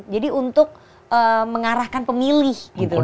jadi untuk mengarahkan pemilih